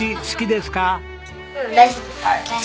好きです。